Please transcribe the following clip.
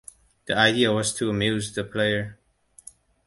The idea was to amuse the player.